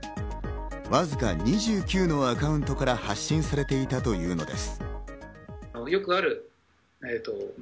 わずか２９のアカウントから発信されていたというのです。